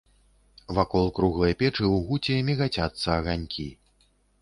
Вакол круглай печы ў гуце мігацяцца аганькі.